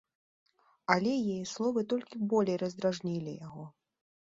Але яе словы толькі болей раздражнілі яго.